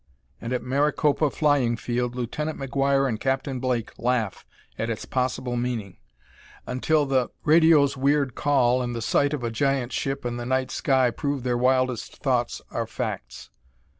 and at Maricopa Flying Field Lieutenant McGuire and Captain Blake laugh at its possible meaning until the radio's weird call and the sight of a giant ship in the night sky prove their wildest thoughts are facts.